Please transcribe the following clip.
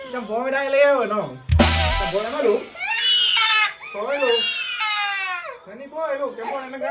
จำไม่ได้จำบ่นก็ไม่ได้เลยเหรอเนอะจำบ่นแล้วมาดู